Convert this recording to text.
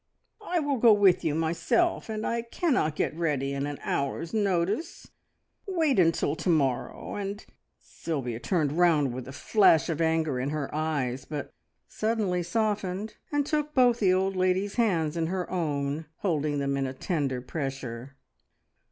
I will go with you myself, and I cannot get ready at an hour's notice. Wait until to morrow, and " Sylvia turned round with a flash of anger in her eyes, but suddenly softened and took both the old lady's hands in her own, holding them in a tender pressure.